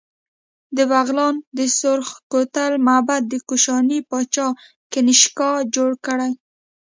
د بغلان د سورخ کوتل معبد د کوشاني پاچا کنیشکا جوړ کړی